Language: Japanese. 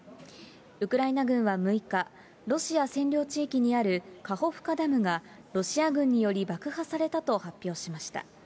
ウクライナ軍は６日、ロシア占領地域にあるカホフカダムがロシア軍により爆破されたと発表しました。